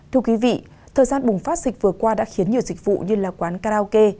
thưa quý vị thời gian bùng phát dịch vừa qua đã khiến nhiều dịch vụ như là quán karaoke